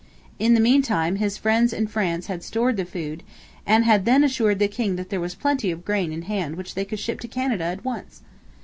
In the meantime, his friends in France had stored the food, and had then assured the king that there was plenty of grain in hand which they could ship to Canada at once.